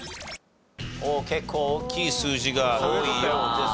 結構大きい数字が多いようですね。